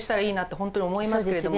本当に思いますけれども。